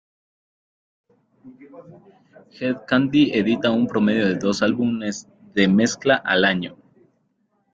Hed Kandi edita un promedio de dos álbumes de mezcla al año.